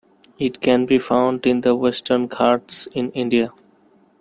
It can be found in the Western Ghats in India.